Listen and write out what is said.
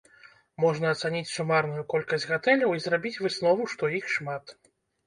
Можна ацаніць сумарную колькасць гатэляў і зрабіць выснову, што іх шмат.